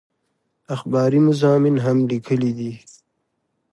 اخباري مضامين هم ليکلي دي